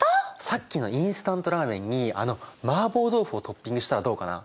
さっきのインスタントラーメンにあの麻婆豆腐をトッピングしたらどうかな？